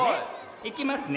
いきますね。